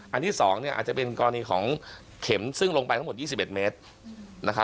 อันที่๒อาจจะเป็นกรณีของเข็มซึ่งลงไปทั้งหมด๒๑เมตร